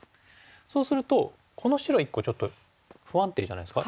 そうするとこの白１個ちょっと不安定じゃないですか？